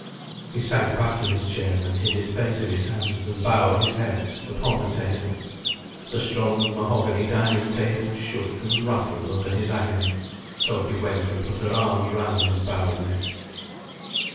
He sank back in his chair, and hid his face in his hands, and bowed his head upon the table. The strong mahogany dining table shook and rattled under his agony. Sophy went and put her arms round his bowed neck.